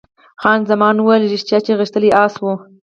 خان زمان وویل، ریښتیا چې غښتلی اس وو.